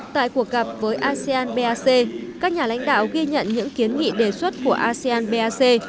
tại cuộc gặp với asean bac các nhà lãnh đạo ghi nhận những kiến nghị đề xuất của asean bac